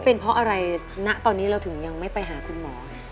เป็นเพราะอะไรณตอนนี้เราถึงยังไม่ไปหาคุณหมอ